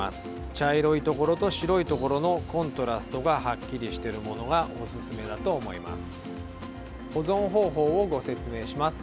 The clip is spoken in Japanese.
茶色いところと白いところのコントラストがはっきりしているものがおすすめだと思います。